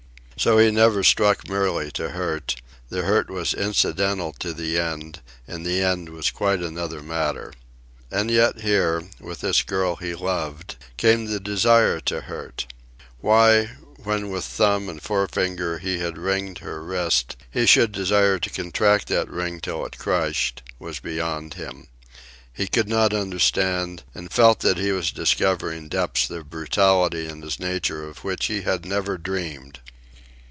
So he never struck merely to hurt; the hurt was incidental to the end, and the end was quite another matter. And yet here, with this girl he loved, came the desire to hurt. Why, when with thumb and forefinger he had ringed her wrist, he should desire to contract that ring till it crushed, was beyond him. He could not understand, and felt that he was discovering depths of brutality in his nature of which he had never dreamed.